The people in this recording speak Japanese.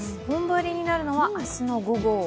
本降りになるのは明日の午後？